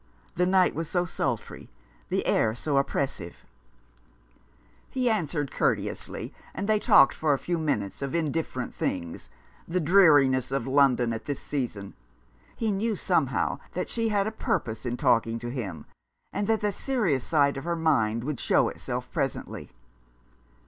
The night was so sultry, the air so oppressive ! He answered courteously, and they talked for a few minutes of indifferent things, the dreariness of London at this season. He knew somehow that she had a purpose in talking to him, and that the serious side of her mind would show itself presently.